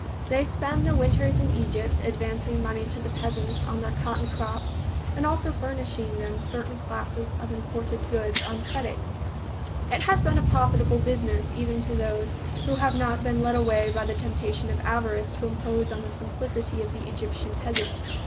They spend the winters in Egypt, advancing money to the peasants on their cotton crops and also furnishing them certain classes of imported goods on credit. It has been a profitable business, even to those who have not been led away by the temptation of avarice to impose on the simplicity of the Egyptian peasant.